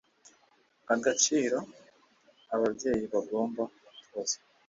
agaciro. Ababyeyi bagomba gutoza